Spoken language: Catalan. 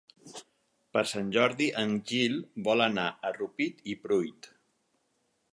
Per Sant Jordi en Gil vol anar a Rupit i Pruit.